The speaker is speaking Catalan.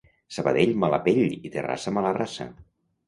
Sabadell mala pell i Terrassa mala raça